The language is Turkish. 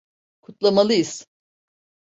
Kutlamalıyız.